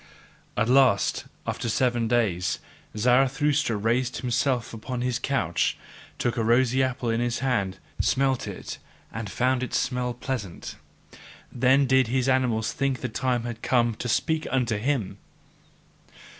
At last, after seven days, Zarathustra raised himself upon his couch, took a rosy apple in his hand, smelt it and found its smell pleasant. Then did his animals think the time had come to speak unto him.